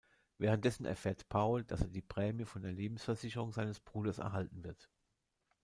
Währenddessen erfährt Paul, dass er die Prämie von der Lebensversicherung seines Bruders erhalten wird.